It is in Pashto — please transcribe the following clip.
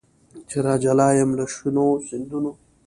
چي راجلا یم له شنو سیندونو